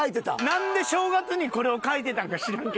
なんで正月にこれを書いてたんか知らんけど。